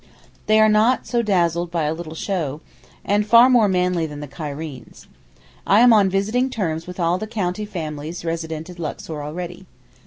They are not so dazzled by a little show, and far more manly than the Cairenes. I am on visiting terms with all the 'county families' resident in Luxor already.